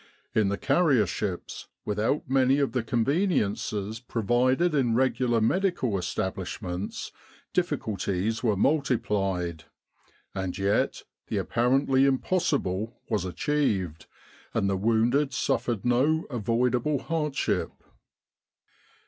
In the carrier ships, without many of the conveniences provided in regular medical establish ments, difficulties were multiplied ; and yet the apparently impossible was achieved, and the wounded suffered no avoidable hardship.